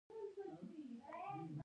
اودس کول روح تازه کوي